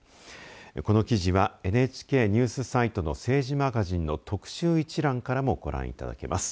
この記事はＮＨＫニュースサイトの政治マガジンの特集一覧からもご覧いただけます。